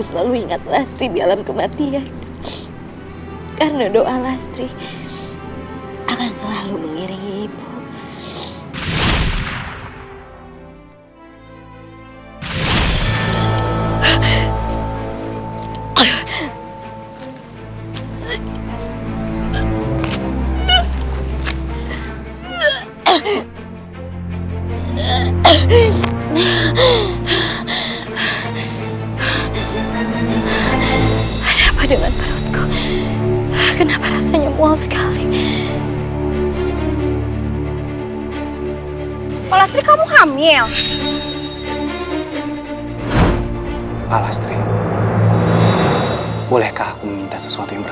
jangan sampai kabur